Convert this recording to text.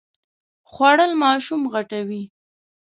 خوړل ماشوم غټوي